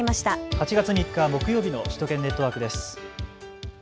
８月３日木曜日の首都圏ネットワークです。